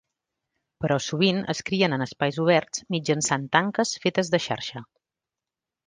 Però sovint es crien en espais oberts mitjançant tanques fetes de xarxa.